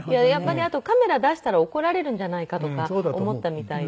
あとカメラ出したら怒られるんじゃないかとか思ったみたいで。